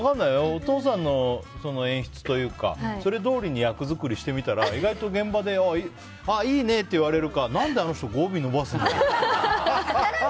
お父さんの演出というかそれどおりに役作りしてみたら意外と現場でいいねって言われるか何で、あの人語尾伸ばすんだろうって。